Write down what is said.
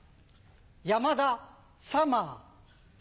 山田サマー。